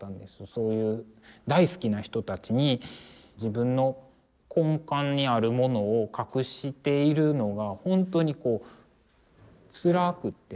そういう大好きな人たちに自分の根幹にあるものを隠しているのが本当にこうつらくって。